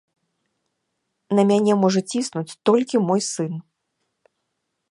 На мяне можа ціснуць толькі мой сын.